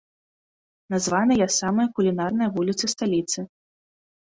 Названыя самыя кулінарныя вуліцы сталіцы.